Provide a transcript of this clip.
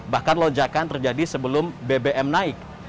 bahkan lonjakan terjadi sebelum bbm naik